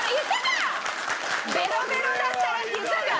「ベロベロだったら」って言ったじゃん！